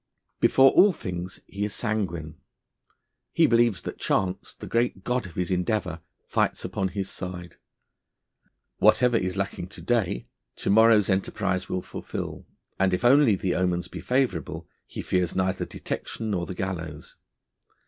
Before all things, he is sanguine; he believes that Chance, the great god of his endeavour, fights upon his side. Whatever is lacking to day, to morrow's enterprise will fulfil, and if only the omens be favourable, he fears neither detection nor the gallows.